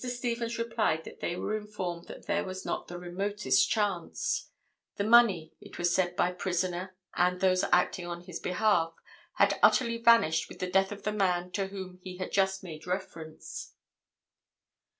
Stephens replied that they were informed that there was not the remotest chance—the money, it was said by prisoner and those acting on his behalf, had utterly vanished with the death of the man to whom he had just made reference.